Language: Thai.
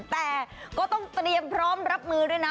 แต่ก็ต้องเตรียมพร้อมรับมือด้วยนะ